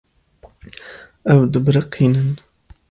Ew dibiriqînin.